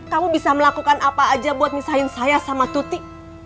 kamu bisa melakukan apa aja buat misahin saya sama tuti